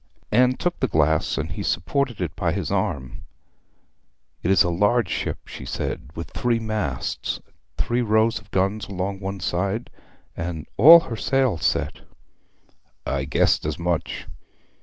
Anne took the glass, and he supported it by his arm. 'It is a large ship,' she said, 'with three masts, three rows of guns along the side, and all her sails set.' 'I guessed as much.'